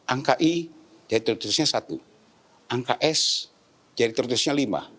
angka i jadi tertulisnya satu angka s jadi tertulisnya lima